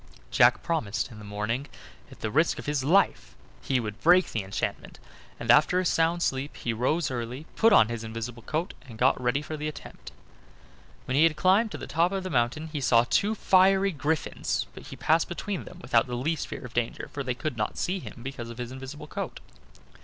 Jack promised that in the morning, at the risk of his life, he would break the enchantment; and after a sound sleep he rose early, put on his invisible coat, and got ready for the attempt. When he had climbed to the top of the mountain he saw two fiery griffins, but he passed between them without the least fear of danger, for they could not see him because of his invisible coat.